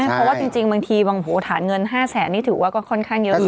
เพราะว่าจริงบางทีบางโถฐานเงิน๕แสนนี่ถือว่าก็ค่อนข้างเยอะ